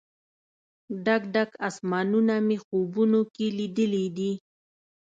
ډک، ډک اسمانونه مې خوبونو کې لیدلې دي